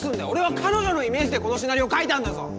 俺は彼女のイメージでこのシナリオを書いたんだぞ！